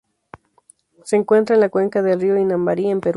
Se encuentra en la cuenca del río Inambari, en Perú.